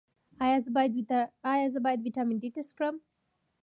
ایا زه باید د ویټامین ډي ټسټ وکړم؟